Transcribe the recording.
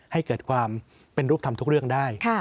ให้เกิดความเป็นรูปธรรมทุกเรื่องได้